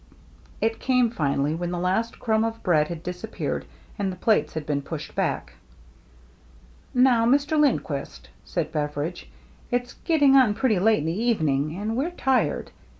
It came, finally, when the last crumb of bread had disappeared and the plates had been pushed back. " Now, Mr. Lindquist," said Beveridge, " it's getting on pretty late in the evening, and we're tired.